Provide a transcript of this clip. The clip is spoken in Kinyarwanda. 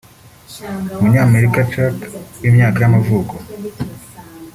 Umunyamerika Chuck w’imyaka y’amavuko